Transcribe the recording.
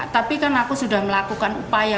tapi kan aku sudah melakukan upaya